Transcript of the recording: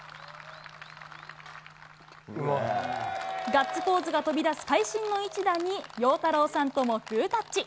ガッツポーズが飛び出す会心の一打に、陽太郎さんともグータッチ。